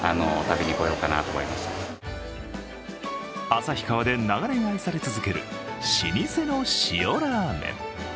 旭川で長年愛され続ける老舗の塩ラーメン。